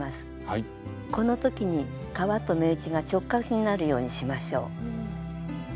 このときに革と目打ちが直角になるようにしましょう。